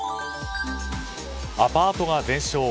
アパートが全焼。